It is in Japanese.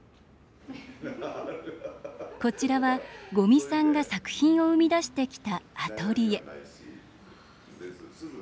こちらは五味さんが作品を生み出してきたアトリエ。